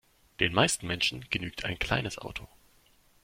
Den meisten Menschen genügt ein kleines Auto.